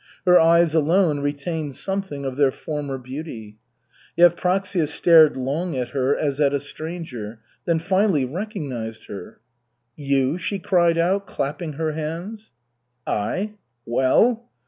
Her eyes alone retained something of their former beauty. Yevpraksia stared long at her as at a stranger, then finally recognized her. "You?" she cried out, clapping her hands. "I. Well?"